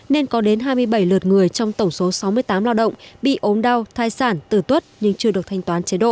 nên có đến hai mươi bảy lượt người trong tổng số sáu mươi tám lao động bị ốm đau thai sản tử tuất nhưng chưa được thanh toán chế độ